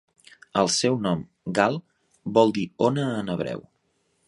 El seu nom, Gal, vol dir "ona" en hebreu.